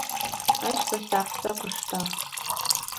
Ащ фэсакъзэ къыштагъ.